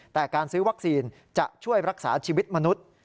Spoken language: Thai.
แต่การซื้อวัคซีนจะช่วยรักษาชีวิตมนุษย์